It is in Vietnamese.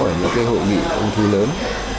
ở những hội nghị ung thư lớn